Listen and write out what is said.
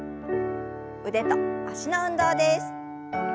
腕と脚の運動です。